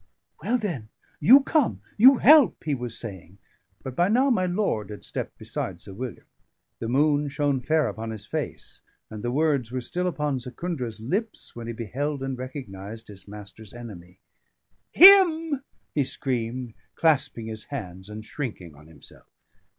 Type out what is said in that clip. "Well, then, you come, you help " he was saying. But by now my lord had stepped beside Sir William; the moon shone fair upon his face, and the words were still upon Secundra's lips, when he beheld and recognised his master's enemy. "Him!" he screamed, clasping his hands, and shrinking on himself.